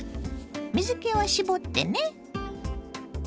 水けは絞ってね。